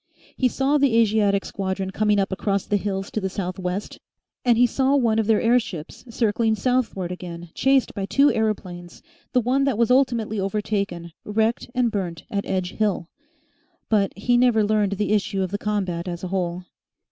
He saw the Asiatic squadron coming up across the hills to the south west, and he saw one of their airships circling southward again chased by two aeroplanes, the one that was ultimately overtaken, wrecked and burnt at Edge Hill. But he never learnt the issue of the combat as a whole.